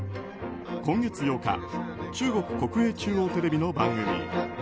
今月８日中国国営中央テレビの番組。